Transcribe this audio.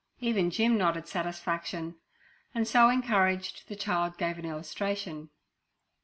Even Jim nodded satisfaction, and so encouraged, the child gave an illustration.